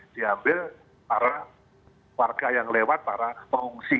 diambil para warga yang lewat para pengungsi